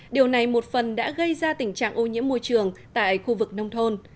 điều này một phần đã gây ra tình trạng ô nhiễm môi trường tại khu vực nông thôn